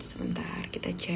sebentar kita cek